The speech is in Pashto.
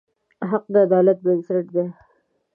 حق د عدالت بنسټ دی.